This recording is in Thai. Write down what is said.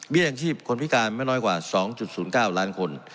อย่างชีพคนพิการไม่น้อยกว่า๒๐๙ล้านคน